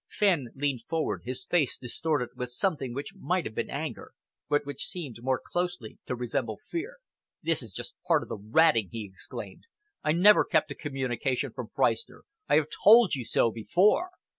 Fenn leaned forward, his face distorted with something which might have been anger, but which seemed more closely to resemble fear. "This is just part of the ratting!" he exclaimed. "I never keep a communication from Freistner. I have told you so before.